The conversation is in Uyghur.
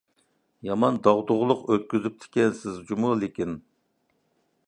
يامان داغدۇغىلىق ئۆتكۈزۈپتىكەنسىز جۇمۇ لېكىن.